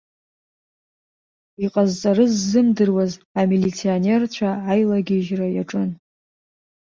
Иҟазҵарыз ззымдыруаз амилиционерцәа аилагьежьра иаҿын.